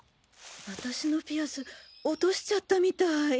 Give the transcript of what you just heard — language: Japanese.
私のピアス落としちゃったみたい。